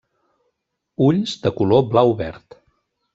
Ulls de color blau-verd.